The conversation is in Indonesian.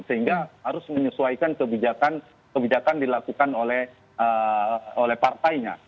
sehingga harus menyesuaikan kebijakan dilakukan oleh partainya